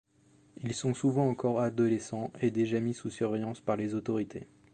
Ils sont souvent encore adolescents et déjà mis sous surveillance par les autorités.